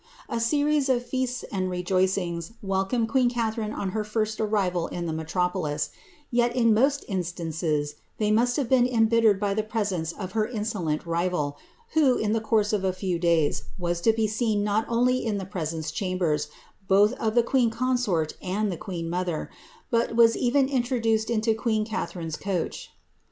A aeries of feasts and rejoicings welcomed queen Catharine on her first arrival in the metropolis ; yet, in most instances they must have been embittered by the presence of her insolent rival, who, in the course of a few days, was to be seen not only in the presence chambers, both of (he queen consort and the queen raother, but was even introduced into queen Catharine's coach.